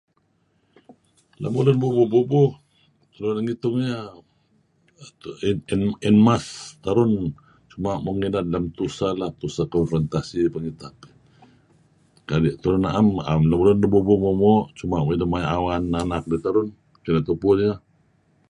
Lemulun bubuh-bubuh [unintelligible] ngi tungey en mass terun cuma' mo' idehlem tuseh, tuseh konfrantasi peh ngitap, kadi' tulu na'em , 'am lemulun bubuh moo'-moo' cuma' deh maya' awan anak dedih terun, kineh tupu tiyeh.